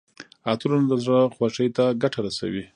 عطرونه د زړه خوښۍ ته ګټه رسوي.